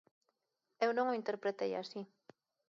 Eu non o interpretei así.